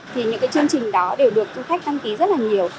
thì những chương trình đó đều được du khách tăng ký rất nhiều